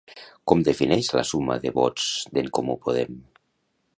Com defineix la suma de vots d'En Comú Podem?